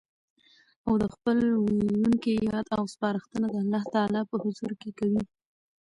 او د خپل ويلوونکي ياد او سپارښتنه د الله تعالی په حضور کي کوي